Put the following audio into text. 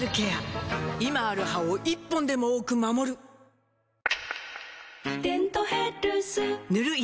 今ある歯を１本でも多く守る「デントヘルス」塗る医薬品も